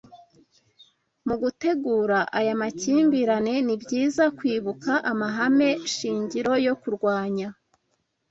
Mugutegura aya makimbirane, nibyiza kwibuka amahame shingiro yo kurwanya